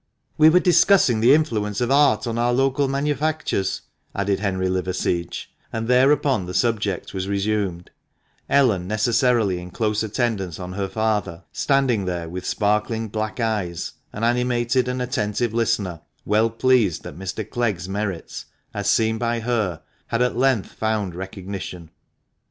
"We were discussing the influence of art on our local manufactures," added Henry Liverseege, and thereupon the subject was resumed, Ellen, necessarily in close attendance on her father, standing there with sparkling black eyes, an animated and attentive listener, well pleased that Mr. Clegg's merits (as seen by her) had at length found recognition.